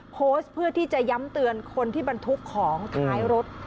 โพสต์เพื่อที่จะย้ำเตือนคนที่บรรทุกของท้ายรถ